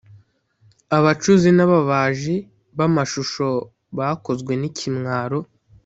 abacuzi n’ababaji b’amashusho bakozwe n’ikimwaro.